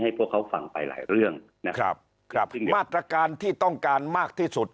พวกเขาฟังไปหลายเรื่องนะครับครับมาตรการที่ต้องการมากที่สุด